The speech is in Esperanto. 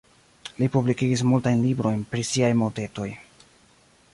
Li publikigis multajn librojn pri siaj motetoj.